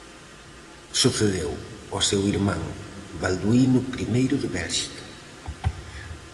Sucedeu ao seu irmán Balduíno Primeiro de Bélxica.